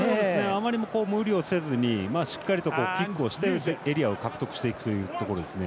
あまり、無理をせずにしっかりとキックをしてエリアを獲得していくというところですね。